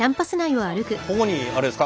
ここにあれですか？